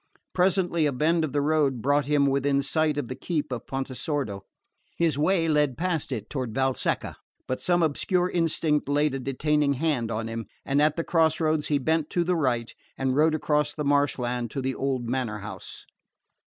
Presently a bend of the road brought him within sight of the keep of Pontesordo. His way led past it, toward Valsecca; but some obscure instinct laid a detaining hand on him, and at the cross roads he bent to the right and rode across the marshland to the old manor house.